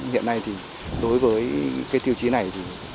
hiện nay đối với tiêu chí này